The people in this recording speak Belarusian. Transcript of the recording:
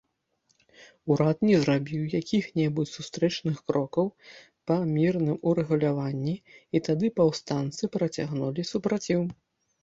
Урад не зрабіў якіх-небудзь сустрэчных крокаў па мірным урэгуляванні, і тады паўстанцы працягнулі супраціў.